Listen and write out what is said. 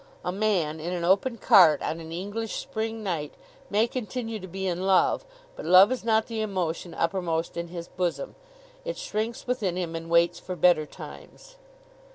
A man in an open cart on an English Spring night may continue to be in love; but love is not the emotion uppermost in his bosom. It shrinks within him and waits for better times.